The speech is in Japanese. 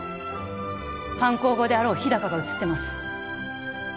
犯行後であろう日高が写ってます